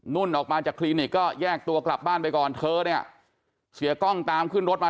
นุ่นออกมาจากคลินิกก็แยกตัวกลับบ้านไปก่อนเธอเนี่ยเสียกล้องตามขึ้นรถมา